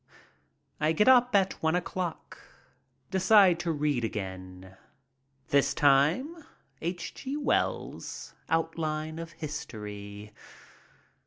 I get up at one o'clock. Decide to read again. This time H. G. Wells's Outline of History.